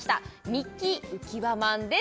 ミッキーうきわまんです